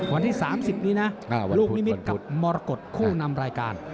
วันที่๓๐นี้นะลูกนิมิตรกับมรกฏคู่นำรายการ